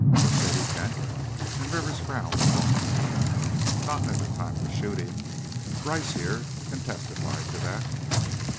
"Was Sadie Kent?" and Rivers frowned thoughtfully. "Not at the time of the shooting. Brice, here, can testify to that."